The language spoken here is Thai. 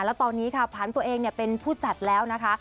แล้วตอนนี้ค่ะผ่านตัวเองเป็นผู้จัดแล้วนะคะ